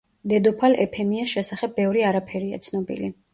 დედოფალ ეფემიას შესახებ ბევრი არაფერია ცნობილი.